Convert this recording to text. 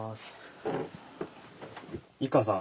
一閑さん